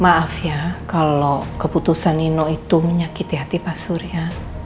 maaf ya kalau keputusan nino itu menyakiti hati pak surya